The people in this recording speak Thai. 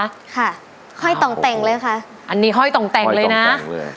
ค่ะค่อยต่องแต่งเลยค่ะอันนี้ค่อยต่องแต่งเลยนะค่อยต่องแต่งเลย